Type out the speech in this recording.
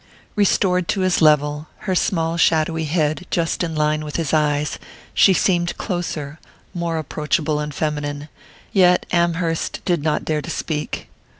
Restored to his level, her small shadowy head just in a line with his eyes, she seemed closer, more approachable and feminine yet Amherst did not dare to speak.